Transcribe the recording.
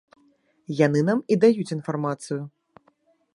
Яны нам і даюць інфармацыю.